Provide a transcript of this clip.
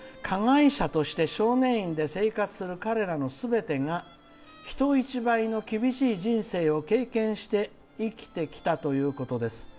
加害者として少年院で生活する彼らのすべてが人一倍厳しい人生を生きてきたということです。